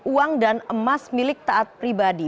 uang dan emas milik taat pribadi